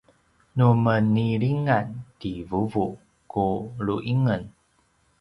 nu menilingan ti vuvu ku lu’ingen